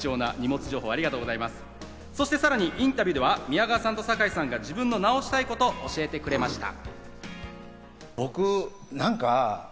さらにインタビューでは宮川さんと酒井さんが、自分の直したいことを教えてくれました。